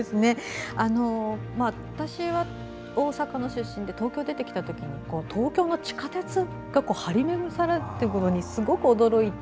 私は、大阪の出身で東京に出てきたときに東京が地下鉄が張り巡らされていることにすごく驚いて。